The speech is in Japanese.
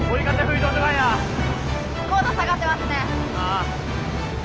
ああ。